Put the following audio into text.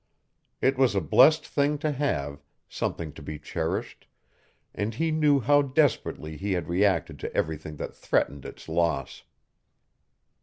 It was a blessed thing to have, something to be cherished, and he knew how desperately he had reacted to everything that threatened its loss.